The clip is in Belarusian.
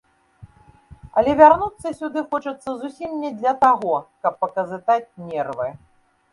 Але вярнуцца сюды хочацца зусім не для таго, каб паказытаць нервы.